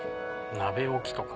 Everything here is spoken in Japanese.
鍋置きとか？